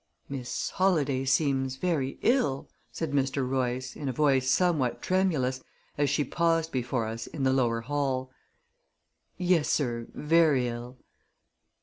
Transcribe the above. "Miss Holladay seems very ill," said Mr. Royce, in a voice somewhat tremulous, as she paused before us in the lower hall. "Yes, sir; ver' ill."